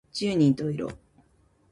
十人十色